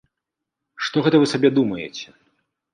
Што гэта вы сабе думаеце?